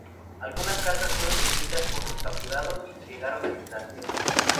Algunas cartas fueron escritas por los capturados llegaron a Islandia.